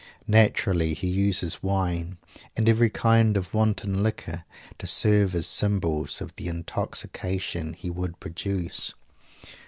Naturally he uses wine, and every kind of wanton liquor, to serve as symbols of the intoxication he would produce.